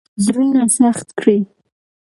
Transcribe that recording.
زړونه سخت کړي.